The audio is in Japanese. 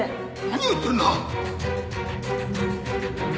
何を言っとるんだ！